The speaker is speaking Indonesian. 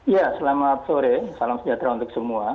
ya selamat sore salam sejahtera untuk semua